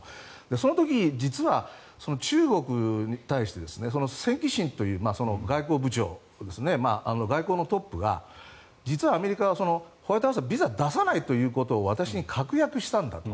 その時、実は中国に対して、外交部長が外交のトップが実はアメリカがホワイトハウスがビザを出さないということを私に確約したんだと。